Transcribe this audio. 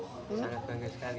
sangat bangga sekali